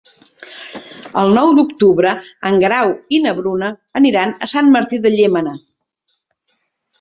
El nou d'octubre en Grau i na Bruna aniran a Sant Martí de Llémena.